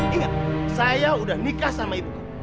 ingat saya udah nikah sama ibuku